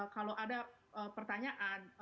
kalau ada pertanyaan